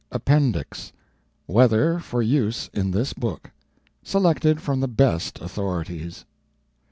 APPENDIX. WEATHER FOR USE IN THIS BOOK. _Selected from the Best Authorities.